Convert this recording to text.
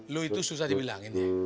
lu itu susah dibilangin